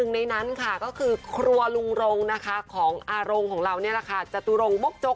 ๑ในนั้นก็คือครัวรุงรงของอารงจัตุรงมบจก